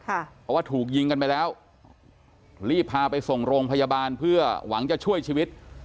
เพราะว่าถูกยิงกันไปแล้วรีบพาไปส่งโรงพยาบาลเพื่อหวังจะช่วยชีวิต